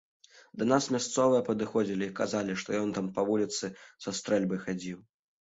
Да нас мясцовыя падыходзілі і казалі, што ён там па вуліцы са стрэльбай хадзіў.